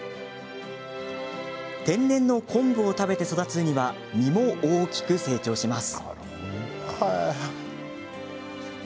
天然の昆布を食べて育つウニは身も大きく成長します。